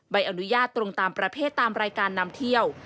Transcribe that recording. ใบอนุญาตตรงตามประเภทตามรายการนำเที่ยว